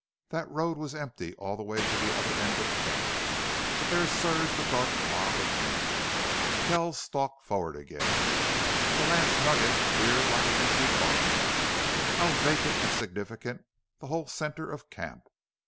That road was empty all the way to the other end of camp, but there surged a dark mob of men. Kells stalked forward again. The Last Nugget appeared like an empty barn. How vacant and significant the whole center of camp!